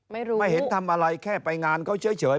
ไม่เห็นทำอะไรแค่ไปงานก็เฉย